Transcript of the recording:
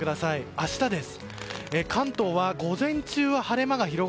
明日です。